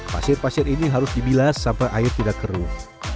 pasir pasir ini harus dibilas sampai air tidak keruh